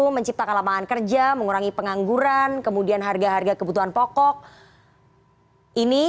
menciptakan lapangan kerja mengurangi pengangguran kemudian harga harga kebutuhan pokok ini